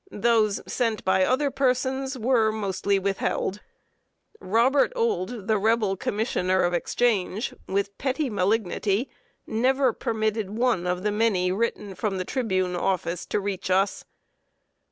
Those sent by other persons were mostly withheld. Robert Ould, the Rebel Commissioner of Exchange, with petty malignity, never permitted one of the many written from The Tribune office to reach us.